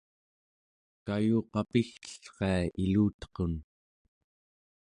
kayuqapigtellria ilutequn